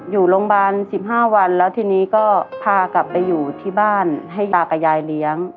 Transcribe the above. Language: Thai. อยู่โรงพยาบาล๑๕วันแล้วทีนี้ก็พากลับไปอยู่ที่บ้านให้ตากับยายเลี้ยง